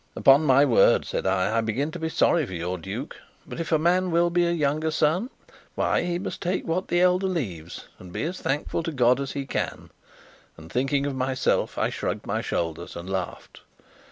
"Upon my word," said I, "I begin to be sorry for your duke. But if a man will be a younger son, why he must take what the elder leaves, and be as thankful to God as he can;" and, thinking of myself, I shrugged my shoulders and laughed.